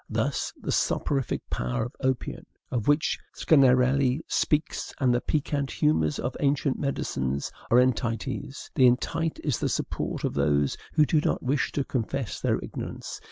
Thus the SOPORIFIC POWER of opium, of which Sganarelle speaks, and the PECCANT HUMORS of ancient medicine, are entites. The entite is the support of those who do not wish to confess their ignorance.